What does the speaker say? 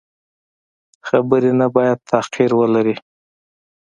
خبرې نه باید تحقیر ولري.